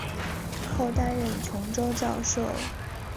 后担任琼州教授。